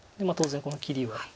当然この切りは。